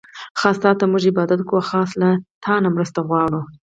خاص تاته مونږ عبادت کوو، او خاص له نه مرسته غواړو